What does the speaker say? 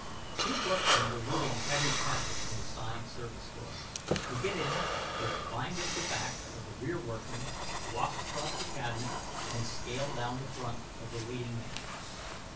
Two workmen were moving a heavy cabinet in the side service door. To get in, they climbed up the back of the rear workman, walked across the cabinet, and scaled down the front of the leading man.